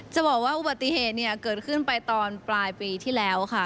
จะบอกว่าอุบัติเหตุเนี่ยเกิดขึ้นไปตอนปลายปีที่แล้วค่ะ